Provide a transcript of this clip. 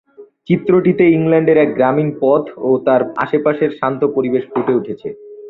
চিত্রটিতে ইংল্যান্ডের এক গ্রামীণ পথ ও তার আশেপাশের শান্ত পরিবেশ ফুটে উঠেছে।